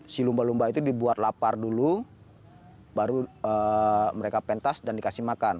si lumba lumba itu dibuat lapar dulu baru mereka pentas dan dikasih makan